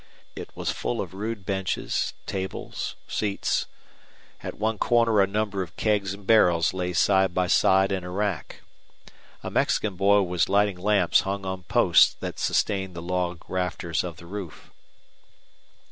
It was full of rude benches, tables, seats. At one corner a number of kegs and barrels lay side by side in a rack. A Mexican boy was lighting lamps hung on posts that sustained the log rafters of the roof.